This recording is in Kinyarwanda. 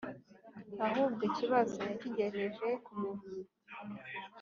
ahubwo ikibazo yakigejeje ku Muvunyi